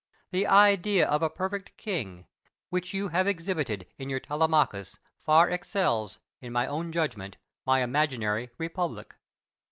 The idea of a perfect king, which you have exhibited in your "Telemachus," far excels, in my own judgment, my imaginary "Republic."